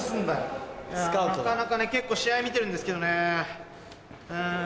なかなかね結構試合見てるんですけどね。